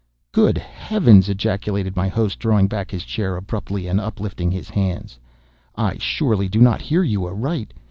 "Good heavens!" ejaculated my host, drawing back his chair abruptly, and uplifting his hands. "I surely do not hear you aright!